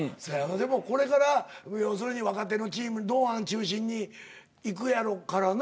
でもこれから要するに若手のチーム堂安中心にいくやろからな。